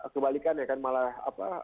kebalikan ya kan malah